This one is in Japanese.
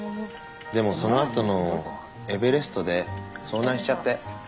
でもその後のエベレストで遭難しちゃって。